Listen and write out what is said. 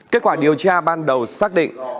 kết quả điều tra ban đầu xác định